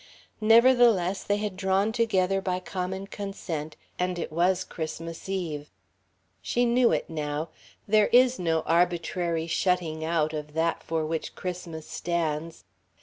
Nevertheless, they had drawn together by common consent, and it was Christmas Eve. She knew it now: There is no arbitrary shutting out of that for which Christmas stands.